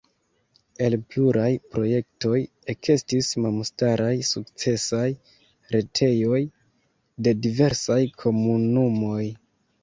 El pluraj projektoj ekestis memstaraj sukcesaj retejoj de diversaj komunumoj.